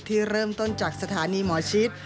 ที่เริ่มต้นจากสถานีหมอชิด